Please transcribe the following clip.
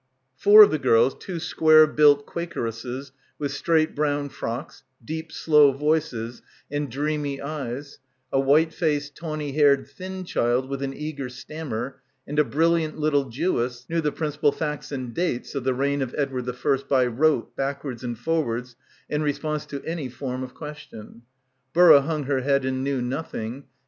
Four of the girls, two square — 116 — BACKWATER built Quakeresses with straight brown frocks, deep slow voices and dreamy eyes, a white faced, tawny haired, thin child with an eager stammer, and a brilliant little Jewess knew the "principal facts and dates" of the reign of Edward I by rote backwards and forwards in response to any form of question. Burra hung her head and knew nothing.